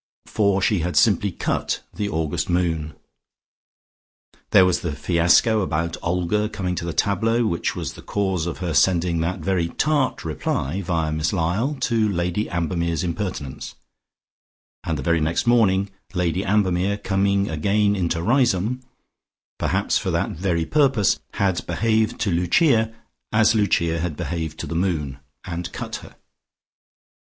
For she had simply "cut" the August moon.... There was the fiasco about Olga coming to the tableaux, which was the cause of her sending that very tart reply, via Miss Lyall, to Lady Ambermere's impertinence, and the very next morning, Lady Ambermere, coming again into Riseholme, perhaps for that very purpose, had behaved to Lucia as Lucia had behaved to the moon, and cut her.